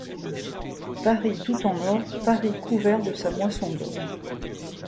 Paris tout en or, Paris couvert de sa moisson d'or!